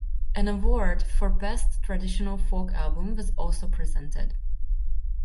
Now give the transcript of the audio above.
An award for Best Traditional Folk Album was also presented.